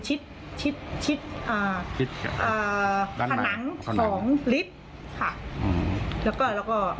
ชิดชิดอ่าผนังของลิฟต์ค่ะอืมแล้วก็แล้วก็